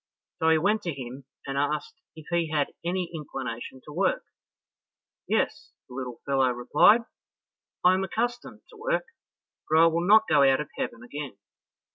So he went to him, and asked if he had any inclination to work. "Yes," the little fellow replied, "I am accustomed to work, but I will not go out of heaven again."